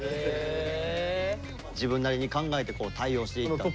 自分なりに考えて対応していった。